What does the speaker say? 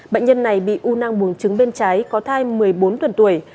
bệnh nhân này bị u nang buồn trứng bên trái có thai một mươi bốn tuần tuổi